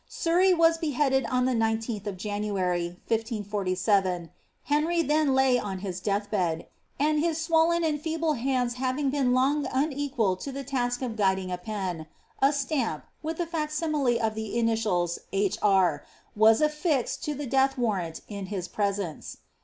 Surrey was beheaded on the 19th of January^ 1547. Henry then lay on his death bed, and his swolleo and feeble luinds having been long unequal to the task of guiding a pen* a stamp, with the fac siniile of the initials ^ H. R.," was affixed to the death warrant in his presence.'